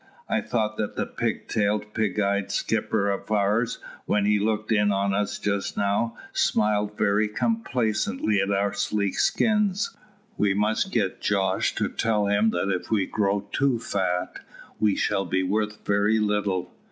"I thought that pig tailed, pig eyed skipper of ours, when he looked in on us just now, smiled very complacently at our sleek skins. We must get Jos to tell him that if we grow too fat we shall be worth very little.